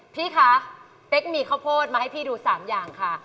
พี่คะเป๊กมีข้าวโพดมาให้พี่ดู๓อย่างค่ะ